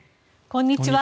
こんにちは。